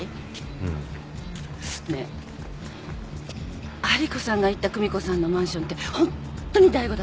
うん。ねえ春彦さんが行った久美子さんのマンションってホントに醍醐だった？